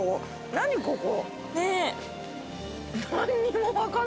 何ここ。